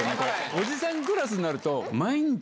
おじさんクラスになると。